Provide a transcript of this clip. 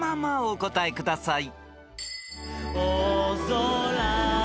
お答えください］